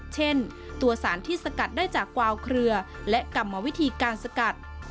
เช่นตัวสารที่สกัดได้จากกวาวเครือและกรรมวิธีการสกัด